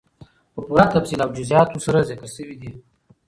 په پوره تفصيل او جزئياتو سره ذکر سوي دي،